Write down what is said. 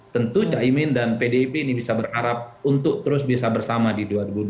tentu caimin dan pdip ini bisa berharap untuk terus bisa bersama di dua ribu dua puluh